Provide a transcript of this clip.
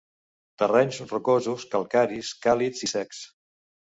Terrenys rocosos calcaris, càlids i secs.